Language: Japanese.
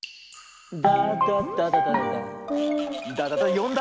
よんだ？